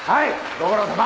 ご苦労さま。